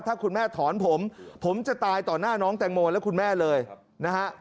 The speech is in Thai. ถ้าคุณแม่ถอนผมผมจะตายต่อหน้าน้องแตงโมและคุณแม่เลยนะฮะ